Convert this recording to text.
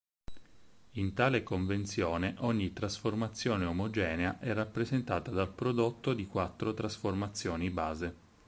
In tale convenzione ogni trasformazione omogenea è rappresentata dal prodotto di quattro trasformazioni base.